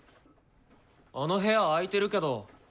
あの部屋開いてるけど。